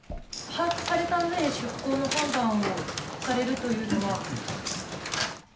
把握されたうえで、出航の判断をされるというのは。